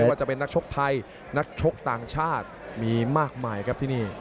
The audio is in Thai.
ว่าจะเป็นนักชกไทยนักชกต่างชาติมีมากมายครับที่นี่